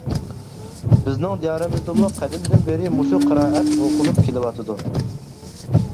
بىزنىڭ دىيارىمىزدىمۇ قەدىمدىن بېرى مۇشۇ قىرائەت ئوقۇلۇپ كېلىۋاتىدۇ.